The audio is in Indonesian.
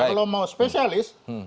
kalau mau spesialis